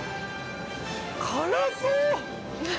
辛そう！